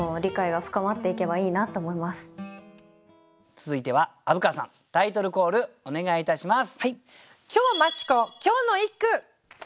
続いては虻川さんタイトルコールお願いいたします。